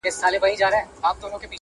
پدې سره دا نوی توليد سوی هويت